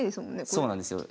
そうなんですよ。